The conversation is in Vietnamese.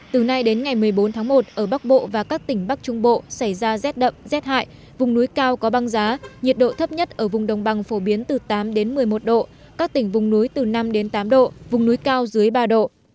từ nay đến ngày một mươi bốn tháng một ở bắc bộ và các tỉnh bắc trung bộ xảy ra rét đậm rét hại vùng núi cao có băng giá nhiệt độ thấp nhất ở vùng đồng bằng phổ biến từ tám đến một mươi một độ các tỉnh vùng núi từ năm tám độ vùng núi cao dưới ba độ